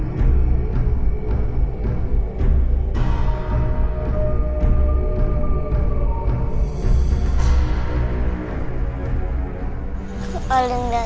sampai ketemu kembali ah